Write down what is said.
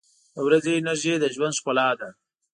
• د ورځې انرژي د ژوند ښکلا ده.